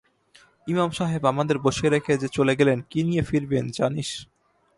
ইমাম সাহেব আমাদের বসিয়ে রেখে যে চলে গেলেন, কী নিয়ে ফিরবেন জানিস?